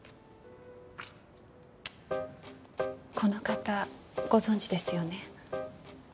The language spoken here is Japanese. この方ご存じですよね？